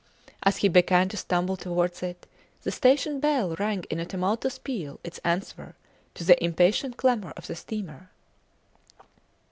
As he began to stumble towards it, the station bell rang in a tumultuous peal its answer to the impatient clamour of the steamer.